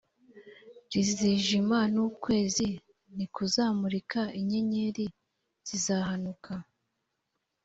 rizijima n ukwezi ntikuzamurika inyenyeri zizahanuka